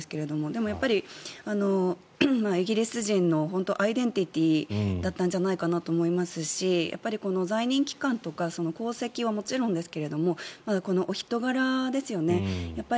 でも、やっぱりイギリス人のアイデンティティーだったんじゃないかなと思いますし在任期間とか功績はもちろんですけどもこのお人柄ですよね。